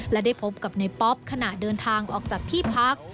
และได้พบกับในป๊อปขณะเดินทางออกจากที่พัก